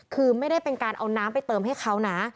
คือไม่ได้เป็นการเอาน้ำไปเติมให้เขานะ